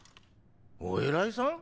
お偉いさん？